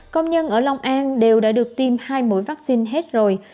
công nhân ở long an đều đã được tiêm hai mũi vaccine hết rồi